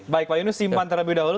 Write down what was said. baik pak yunus simpan terlebih dahulu